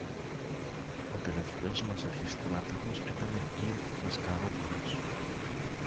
ο τελευταίος μας αρχιστράτηγος ήταν ο κυρ-Μασκαρόπουλος.